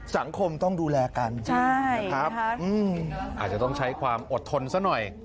สังคมต้องดูแลกันนะครับอาจจะต้องใช้ความอดทนซะหน่อย